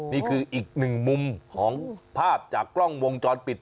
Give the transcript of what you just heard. นี่คืออีกหนึ่งมุมของภาพจากกล้องวงจรปิด